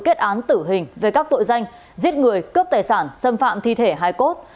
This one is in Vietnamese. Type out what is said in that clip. kết án tử hình về các tội danh giết người cướp tài sản xâm phạm thi thể hai cốt